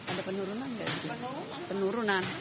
ada penurunan nggak penurunan